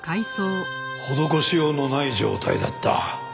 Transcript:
施しようのない状態だった。